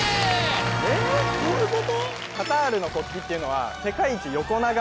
えっどういうこと？